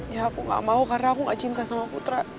ya aku gak mau karena aku gak cinta sama putra